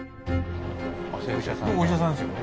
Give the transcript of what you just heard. お医者さんですよね？